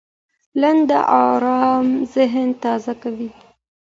لنډ ارام ذهن تازه کوي.